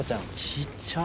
ちっちゃ。